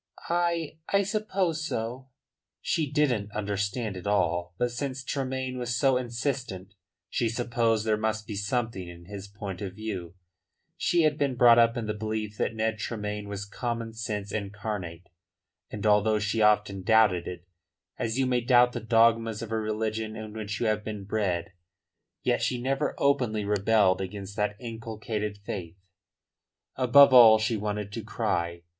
"I I suppose so." She didn't understand it all. But since Tremayne was so insistent she supposed there must be something in his point of view. She had been brought up in the belief that Ned Tremayne was common sense incarnate; and although she often doubted it as you may doubt the dogmas of a religion in which you have been bred yet she never openly rebelled against that inculcated faith. Above all she wanted to cry.